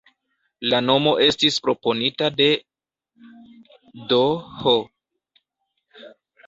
La nomo estis proponita de "D.-h.